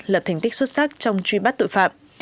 lập thành tích xuất sắc trong truy bắt tội phạm